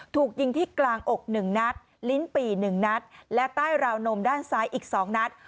ถูกยิงที่กลางอก๑นัดลิ้นปี่๑นัดและใต้ราวนมด้านซ้ายอีก๒นัด